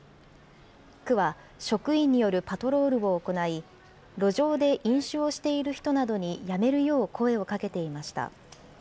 区は、職員によるパトロールを行い、路上で飲酒をしている人などにやめるよう声をかけていました。